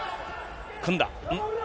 組んだ。